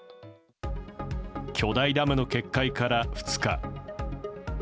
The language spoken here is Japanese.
巨大ダムの決壊から２日。